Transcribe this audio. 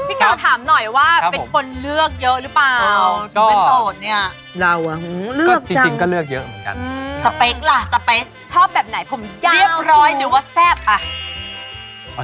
พี่กาวถามหน่อยว่าเป็นคนเลือกเยอะหรือเปล่า